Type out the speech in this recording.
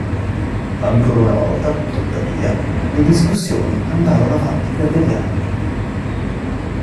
Ancora una volta, tuttavia, le discussioni andarono avanti per degli anni.